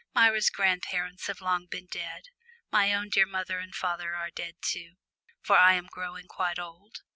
Myra's grandparents have long been dead my own dear father and mother are dead too, for I am growing quite old.